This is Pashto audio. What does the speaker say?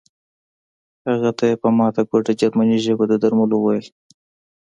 هغه ته یې په ماته ګوډه جرمني ژبه د درملو وویل